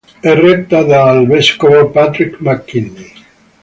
È retta dal vescovo Patrick McKinney.